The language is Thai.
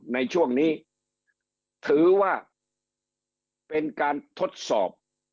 ในช่วงนี้ถือว่าเป็นการทดสอบ